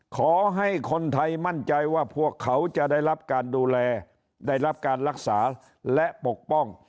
ขอให้คนไทยมั่นใจว่าพวกเขาจะได้รับการดูแลได้รับการรักษาและปกป้อง